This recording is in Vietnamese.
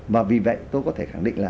và vì vậy tôi có thể khẳng định là